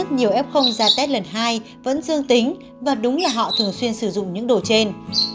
f nhiều f ra test lần hai vẫn dương tính và đúng là họ thường xuyên sử dụng những đồ trên